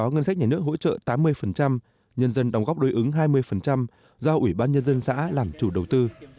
nếu hỗ trợ tám mươi nhân dân đóng góp đối ứng hai mươi do ủy ban nhân dân xã làm chủ đầu tư